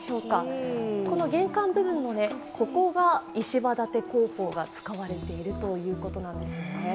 玄関部分のここが、石場建構法が使われているということなんです。